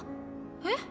えっ？